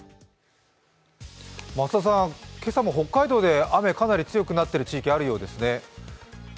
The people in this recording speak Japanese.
増田さん、今朝も北海道で雨が強くなっている地域あるようですね。